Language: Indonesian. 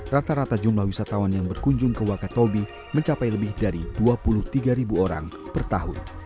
rata rata jumlah wisatawan yang berkunjung ke wakatobi mencapai lebih dari dua puluh tiga orang per tahun